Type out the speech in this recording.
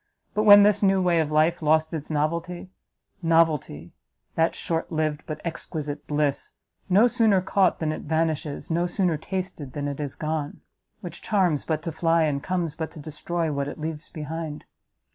But when this new way of life lost its novelty, novelty! that short liv'd, but exquisite bliss! no sooner caught than it vanishes, no sooner tasted than it is gone! which charms but to fly, and comes but to destroy what it leaves behind!